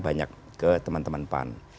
banyak ke teman teman pan